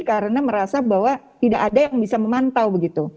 karena merasa bahwa tidak ada yang bisa memantau begitu